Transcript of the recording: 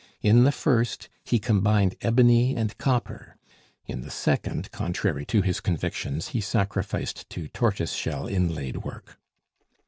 In the first he combined ebony and copper; in the second contrary to his convictions he sacrificed to tortoise shell inlaid work.